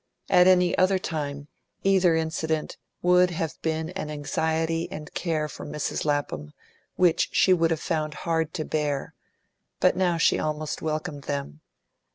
At any other time, either incident would have been an anxiety and care for Mrs. Lapham which she would have found hard to bear; but now she almost welcomed them.